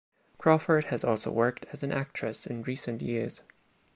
Crawford has also worked as an actress in recent years.